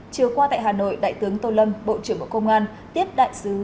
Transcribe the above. chiều qua tại hà nội đại tướng tô lâm bộ trưởng bộ công an tiếp đại sứ